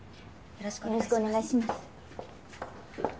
よろしくお願いします。